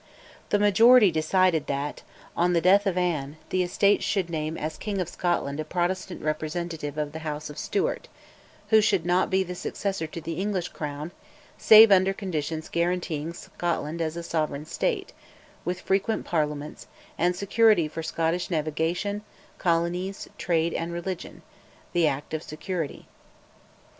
The majority decided that, on the death of Anne, the Estates should name as king of Scotland a Protestant representative of the House of Stewart, who should not be the successor to the English crown, save under conditions guaranteeing Scotland as a sovereign state, with frequent Parliaments, and security for Scottish navigation, colonies, trade, and religion (the Act of Security).